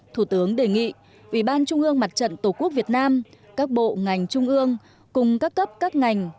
thủ tướng đề nghị ủy ban trung ương mặt trận tổ quốc việt nam các bộ ngành trung ương cùng các cấp các ngành